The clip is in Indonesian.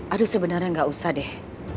aduh sebenarnya gak usah deh